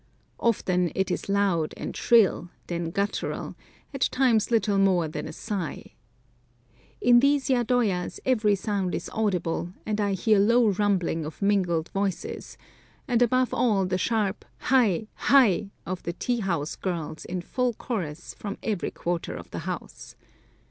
Often it is loud and shrill, then guttural, at times little more than a sigh. In these yadoyas every sound is audible, and I hear low rumbling of mingled voices, and above all the sharp Hai, Hai of the tea house girls in full chorus from every quarter of the house.